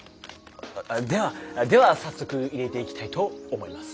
ではでは早速入れていきたいと思います。